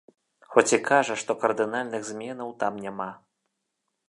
Хоць і кажа, што кардынальных зменаў там няма.